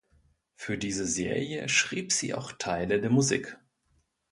Für diese Serie schrieb sie auch Teile der Musik.